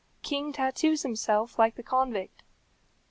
The king tattooes himself like the convict.